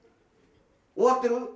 終わってる？